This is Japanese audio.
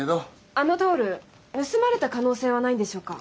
あのタオル盗まれた可能性はないんでしょうか？